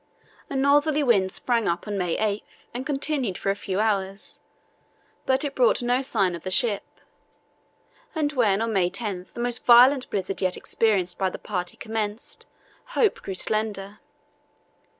A northerly wind sprang up on May 8 and continued for a few hours, but it brought no sign of the ship, and when on May 10 the most violent blizzard yet experienced by the party commenced, hope grew slender.